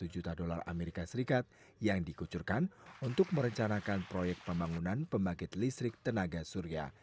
satu ratus tiga puluh satu juta dolar amerika serikat yang dikucurkan untuk merencanakan proyek pembangunan pembangkit listrik tenaga surya